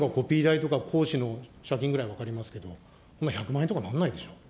お茶代とかコピー代とか講師の謝金ぐらいは分かりますが、、１００万円とかならないでしょ。